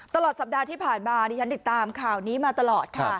ตลอดสัปดาห์ที่ผ่านมาดิฉันติดตามข่าวนี้มาตลอดค่ะ